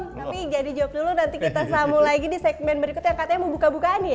tapi jadi jawab dulu nanti kita samu lagi di segmen berikut yang katanya mau buka bukaan ya